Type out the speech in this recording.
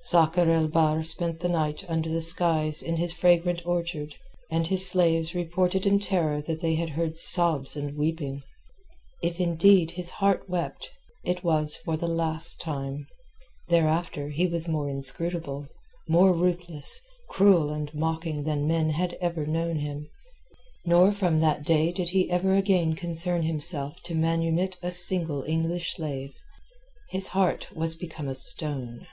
Sakr el Bahr spent the night under the skies in his fragrant orchard, and his slaves reported in terror that they had heard sobs and weeping. If indeed his heart wept, it was for the last time; thereafter he was more inscrutable, more ruthless, cruel and mocking than men had ever known him, nor from that day did he ever again concern himself to manumit a single English slave. His heart was become a stone.